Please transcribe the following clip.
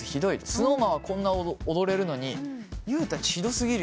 「ＳｎｏｗＭａｎはこんな踊れるのにＹＯＵたちひど過ぎるよ」